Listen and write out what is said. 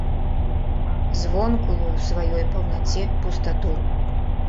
Звонкую ў сваёй паўнаце пустату.